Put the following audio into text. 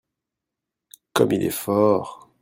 Comme il est fort !